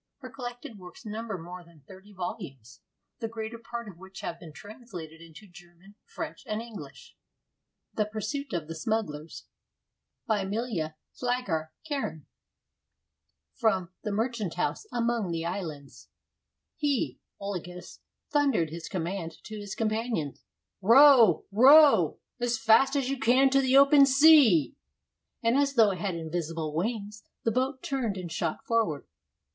Her collected works number more than thirty volumes, the greater part of which have been translated into German, French, and English. THE PURSUIT OF THE SMUGGLERS From 'The Merchant House among the Islands' He [Olagus] thundered his command to his companions: "Row, row as fast as you can to the open sea!" And as though it had invisible wings, the boat turned and shot forward.